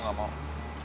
kalau kamu gak mau